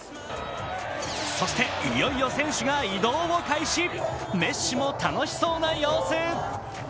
そして、いよいよ選手が移動を開始メッシも楽しそうな様子。